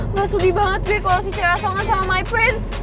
nggak sudi banget gue kalau si cewek songan sama my prince